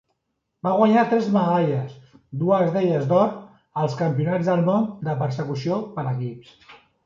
Va guanyar tres medalles, dues d'elles d'or, als Campionats del món de Persecució per equips.